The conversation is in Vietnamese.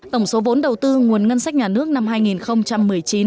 tổng số vốn đầu tư nguồn ngân sách nhà nước năm hai nghìn một mươi chín